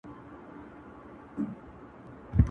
هم دا سپی بولم جدا له نورو سپیانو,